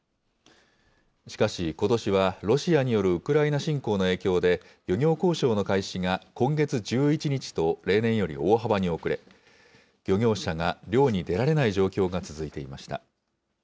しかし、ことしはロシアによるウクライナ侵攻の影響で、漁業交渉の開始が今月１１日と例年より大幅に遅れ、漁業者が漁に出られない状況が続いていました。